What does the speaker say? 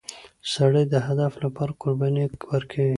سړی د هدف لپاره قرباني ورکوي